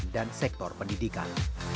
dan sektor pendidikan